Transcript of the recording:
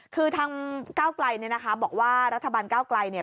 คือทางก้าวไกลเนี่ยนะคะบอกว่ารัฐบาลก้าวไกลเนี่ย